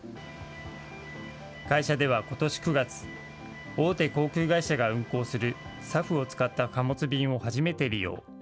会社ではことし９月、大手航空会社が運航するＳＡＦを使った貨物便を初めて利用。